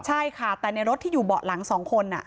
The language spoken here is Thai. ใช่ค่ะแต่ในรถที่อยู่เบาะหลัง๒คน